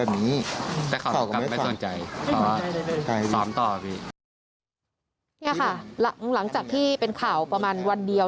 นี่ค่ะหลังจากที่เป็นข่าวประมาณวันเดียว